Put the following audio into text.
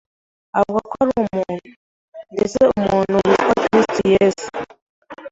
Avugwa ko ari umuntu, ndetse umuntu witwa Kristo Yesu.